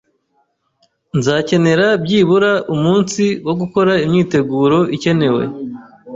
Nzakenera byibura umunsi wo gukora imyiteguro ikenewe.